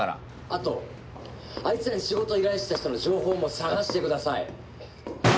あとあいつらに仕事を依頼してた人の情報も探してください。